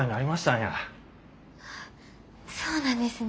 そうなんですね。